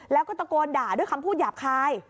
แล้วก็ตะโกนด่าด้วยคำพูดหยาบคาย